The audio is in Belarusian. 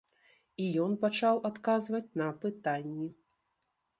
І ён пачаў адказваць на пытанні.